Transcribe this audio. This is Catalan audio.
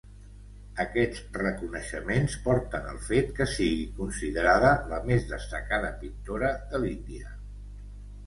Aquests reconeixements porten al fet que sigui considerada la més destacada pintora de l'Índia.